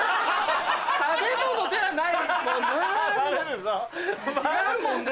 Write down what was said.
食べ物ではないもんな！